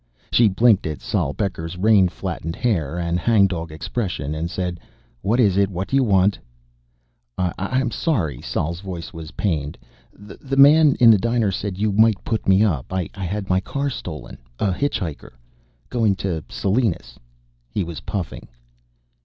She blinked at Sol Becker's rain flattened hair and hang dog expression, and said: "What is it? What do you want?" "I'm sorry " Sol's voice was pained. "The man in the diner said you might put me up. I had my car stolen: a hitchhiker; going to Salinas ..." He was puffing.